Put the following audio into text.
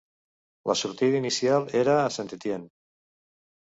La sortida inicial era a Saint-Étienne.